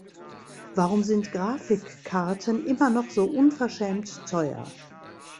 Warum sind Grafikkarten immer noch so unverschämt teuer?